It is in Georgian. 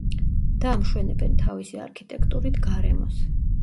და ამშვენებენ თავისი არქიტექტურით გარემოს.